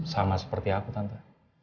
sama seperti aku tante